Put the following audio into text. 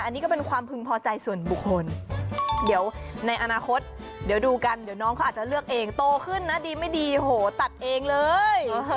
อันนี้ก็เป็นความพึงพอใจส่วนบุคคลเดี๋ยวในอนาคตเดี๋ยวดูกันเดี๋ยวน้องเขาอาจจะเลือกเองโตขึ้นนะดีไม่ดีโหตัดเองเลย